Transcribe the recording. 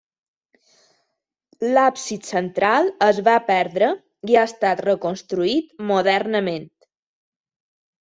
L'absis central es va perdre i ha estat reconstruït modernament.